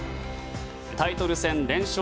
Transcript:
タイトル戦連勝